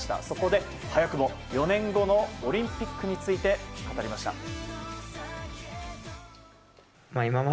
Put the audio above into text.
そこで早くも４年後のオリンピックについて語りました。